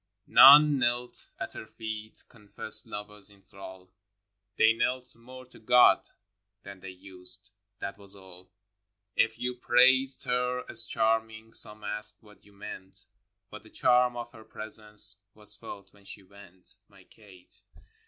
VI. None knelt at her feet confessed lovers in thrall; They knelt more to God than they used, that was all; If you praised her as charming, some asked what you meant, But the charm of her presence was felt when she went — My Kate.